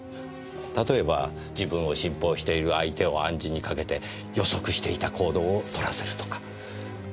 例えば自分を信奉している相手を暗示にかけて予測していた行動をとらせるとか。